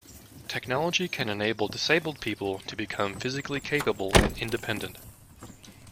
Technology can enable disabled people to become physically capable and independent.